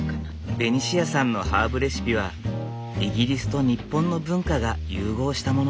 ベニシアさんのハーブレシピはイギリスと日本の文化が融合したもの。